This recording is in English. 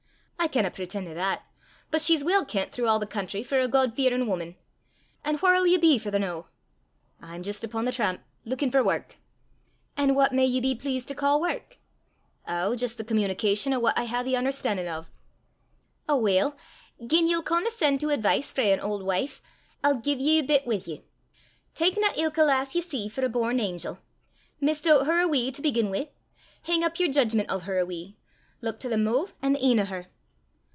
"I canna preten' to that; but she's weel kent throuw a' the country for a God fearin' wuman. An' whaur 'll ye be for the noo?" "I'm jist upo' the tramp, luikin' for wark." "An' what may ye be pleast to ca' wark?" "Ow, jist the communication o' what I hae the un'erstan'in' o'." "Aweel, gien ye'll condescen' to advice frae an auld wife, I'll gie ye a bit wi' ye: tak na ilka lass ye see for a born angel. Misdoobt her a wee to begin wi'. Hing up yer jeedgment o' her a wee. Luik to the moo' an' the e'en o' her."